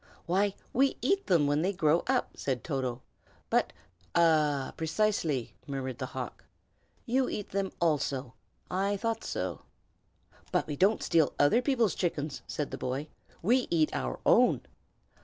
"Why, we eat them when they grow up," said Toto; "but " "Ah, precisely!" murmured the hawk. "You eat them also. I thought so." "But we don't steal other people's chickens," said the boy, "we eat our own."